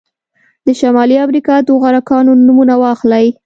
د شمالي امریکا د غوره کانونه نومونه واخلئ.